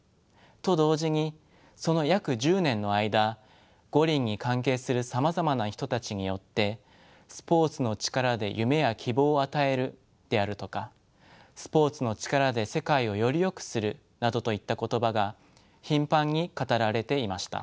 と同時にその約１０年の間五輪に関係するさまざまな人たちによって「スポーツの力で夢や希望を与える」であるとか「スポーツの力で世界をよりよくする」などといった言葉が頻繁に語られていました。